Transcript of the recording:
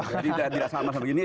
jadi tidak sama sama begini